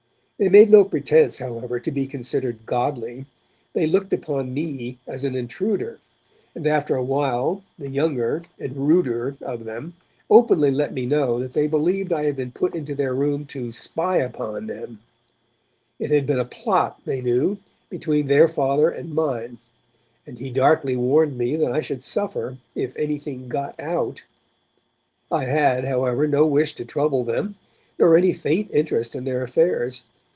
They made no pretence, however, to be considered godly; they looked upon me as an intruder; and after a while the younger, and ruder, of them openly let me know that they believed I had been put into their room to 'spy upon' them; it had been a plot, they knew, between their father and mine: and he darkly warned me that I should suffer if 'anything got out'. I had, however, no wish to trouble them, nor any faint interest in their affairs.